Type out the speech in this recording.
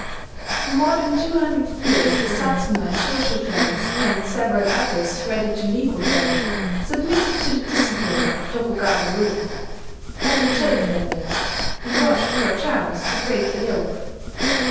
For more than two hundred years the Satsuma and Choshu clans, and several others ready to league with them, submitted to the discipline of the Tokugawa rule. But they chafed under it, and watched for a chance to break the yoke.